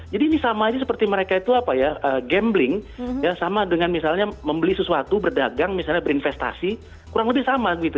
ini sama aja seperti mereka itu apa ya gambling ya sama dengan misalnya membeli sesuatu berdagang misalnya berinvestasi kurang lebih sama gitu